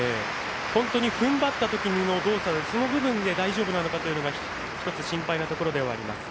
本当にふんばったときの動作その部分で大丈夫なのかというのが心配なところであります。